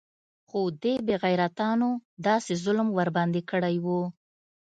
خو دې بې غيرتانو داسې ظلم ورباندې كړى و.